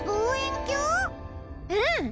うん！